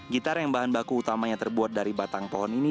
gitar yang bahan baku utamanya terbuat dari batang pohon ini